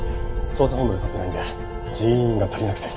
捜査本部が立ってないんで人員が足りなくて。